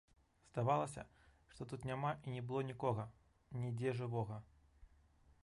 Здавалася, што тут няма і не было нікога нідзе жывога.